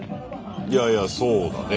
いやいやそうだね。